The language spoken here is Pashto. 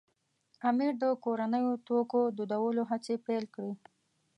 امیر د کورنیو توکو دودولو هڅې پیل کړې.